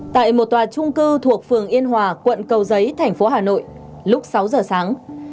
tại một tòa trung cư thuộc phường yên hòa quận cầu giấy thành phố hà nội lúc sáu giờ sáng